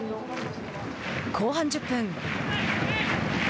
後半１０分。